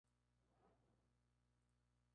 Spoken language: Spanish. El perfil orográfico es muy marcado, incluso áspero.